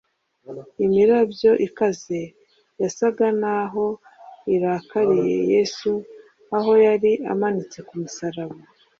imirabyo ikaze yasaga n’aho irakariye yesu aho yari amanitse ku musaraba